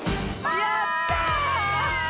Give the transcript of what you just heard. やった！